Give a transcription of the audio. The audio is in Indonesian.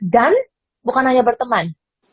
dan bukan hanya berteman